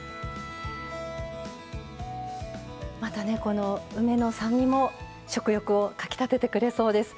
またねこの梅の酸味も食欲をかきたててくれそうです。